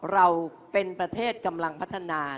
เราเป็นประเทศกำลังพัฒนา